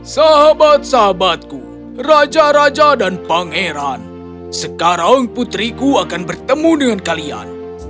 sahabat sahabatku raja raja dan pangeran sekarang putriku akan bertemu dengan kalian